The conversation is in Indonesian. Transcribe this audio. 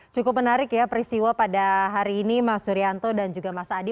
cukup menarik ya peristiwa pada hari ini mas surianto dan juga mas adi